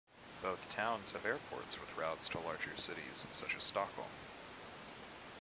Both towns have airports with routes to larger cities such as Stockholm.